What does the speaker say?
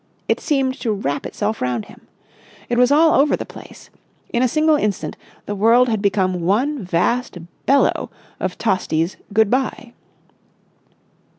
It seemed to wrap itself round him. It was all over the place. In a single instant the world had become one vast bellow of Tosti's "Good bye."